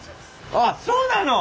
あっそうなの！